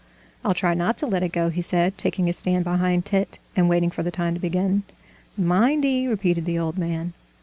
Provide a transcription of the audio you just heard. "I'll try not to let it go," he said, taking his stand behind Tit, and waiting for the time to begin. "Mind'ee," repeated the old man.